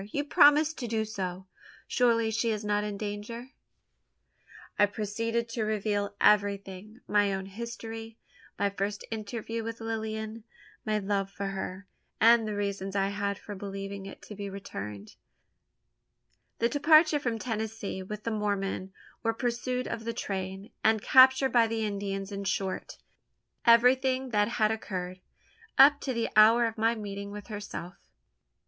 You promised to do so? Surely she is not in danger?" I proceeded to reveal everything my own history my first interview with Lilian my love for her, and the reasons I had for believing it to be returned the departure from Tennessee with the Mormon our pursuit of the train, and capture by the Indians in short, everything that had occurred, up to the hour of my meeting with herself.